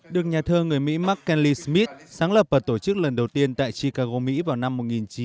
được nhà thơ người mỹ mark kenley smith sáng lập và tổ chức lần đầu tiên tại chicago mỹ vào năm một nghìn chín trăm tám mươi sáu